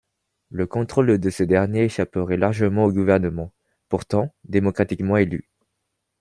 Le contrôle de ces derniers échapperait largement au gouvernement, pourtant démocratiquement élu.